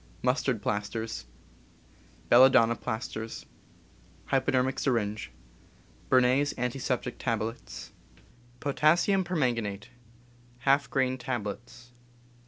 Mustard plasters. Belladonna plasters. Hypodermic sjTinge. Bernays' antiseptic tablets. * Potassium permanganate, ^ grain tablets.